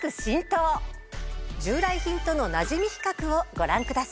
従来品とのなじみ比較をご覧ください。